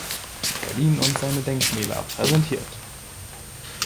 Berlin und seine Denkmäler“ präsentiert.